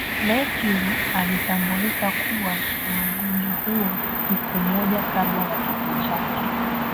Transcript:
mercury alitambulika kuwa na ugonjwa huo siku moja kabla ya kifo chake